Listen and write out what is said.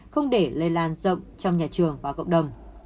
không để lây lan rộng trong nhà trường và cộng đồng